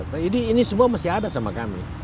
jadi ini semua masih ada sama kami